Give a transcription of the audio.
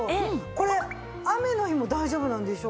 これ雨の日も大丈夫なんでしょ？